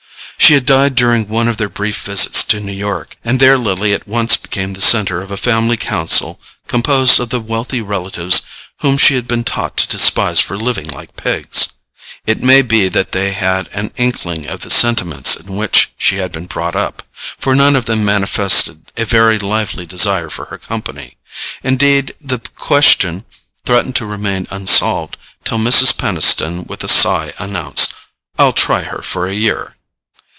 She had died during one of their brief visits to New York, and there Lily at once became the centre of a family council composed of the wealthy relatives whom she had been taught to despise for living like pigs. It may be that they had an inkling of the sentiments in which she had been brought up, for none of them manifested a very lively desire for her company; indeed, the question threatened to remain unsolved till Mrs. Peniston with a sigh announced: "I'll try her for a year."